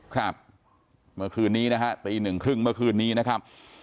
ครับเมื่อคืนนี้นะฮะตีหนึ่งครึ่งเมื่อคืนนี้นะครับ